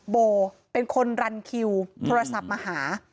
โบเป็นคนรันคิวโทรศัพท์มาหา